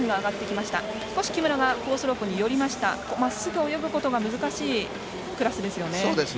まっすぐ泳ぐことが難しいクラスですよね。